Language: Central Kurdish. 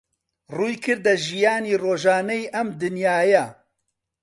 ڕوویکردە ژیانی ڕۆژانەی ئەم دنیایە